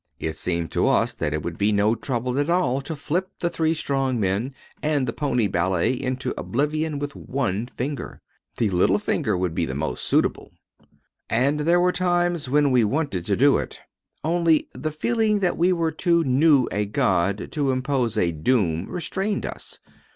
It seemed to us that it would be no trouble at all to flip the three strong men and the pony ballet into oblivion with one finger. The little finger would be the most suitable. And there were times when we wanted to do it. Only, the feeling that we were too new a god to impose a doom restrained us.